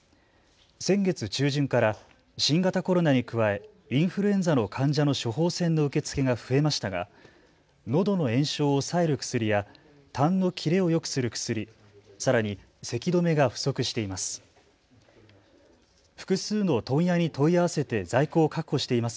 先月中旬から新型コロナに加えインフルエンザの患者の処方箋の受付が増えましたがのどの炎症を抑える薬やたんの切れをよくする薬、さらにせき止めが不足しています。